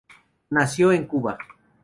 Nació en Cuba.